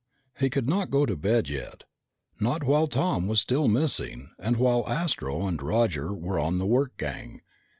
He could not go to bed yet. Not while Tom was still missing and while Astro and Roger were on the work gang.